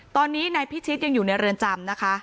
ตอนนี้นายพิชิตยังอยู่ในเรือนจำนะคะ